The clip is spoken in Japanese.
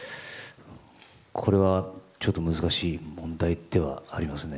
これはちょっと難しい問題ではありますね。